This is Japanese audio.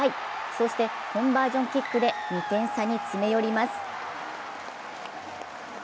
そしてコンバージョンキックで２点差に詰め寄ります。